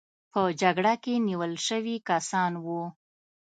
په جګړه کې نیول شوي کسان وو.